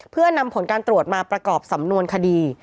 เพื่อนำผลการตรวจมาประกอบสำนวนคดี